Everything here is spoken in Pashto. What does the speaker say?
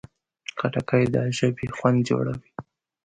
خټکی د ژبې خوند جوړوي.